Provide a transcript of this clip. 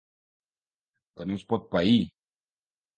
Que no es pot pair.